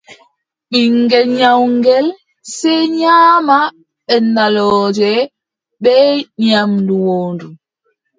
Ɓiŋngel nyawngel , sey nyaama ɓenndalooje bee nyaamdu woondu.